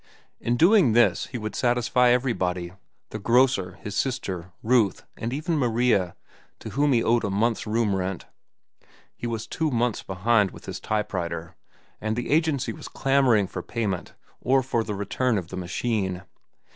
In doing this he would satisfy everybody—the grocer, his sister, Ruth, and even Maria, to whom he owed a month's room rent. He was two months behind with his type writer, and the agency was clamoring for payment or for the return of the machine.